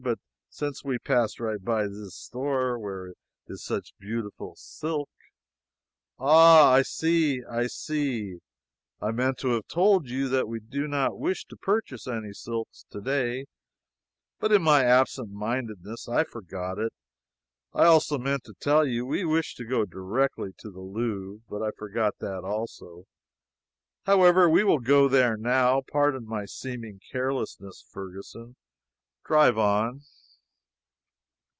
But since we pass right by zis store, where is such beautiful silk " "Ah! I see, I see. I meant to have told you that we did not wish to purchase any silks to day, but in my absent mindedness I forgot it. I also meant to tell you we wished to go directly to the Louvre, but I forgot that also. However, we will go there now. Pardon my seeming carelessness, Ferguson. Drive on."